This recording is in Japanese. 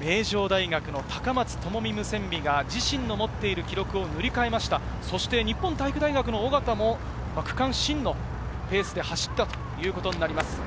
名城大学の高松智美ムセンビが自身の持っている記録を塗り替えました、日本体育大の尾方も区間新のペースで走ったということになります。